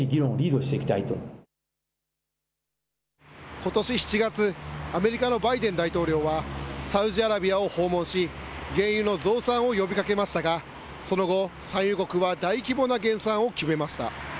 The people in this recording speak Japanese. ことし７月、アメリカのバイデン大統領は、サウジアラビアを訪問し、原油の増産を呼びかけましたが、その後、産油国は大規模な減産を決めました。